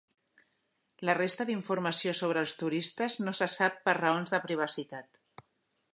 La resta d'informació sobre els turistes no se sap per raons de privacitat.